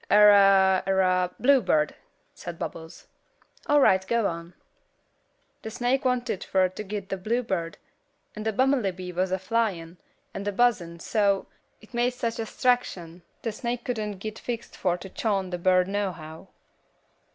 "Erra erra bluebird," said Bubbles. "All right, go on." "The snake wanted fur to git the bluebird, and the bummelybee was a flyin, and a buzzin' so, it made such a 'straction the snake couldn't git fixed fur to chawm the bird nohow.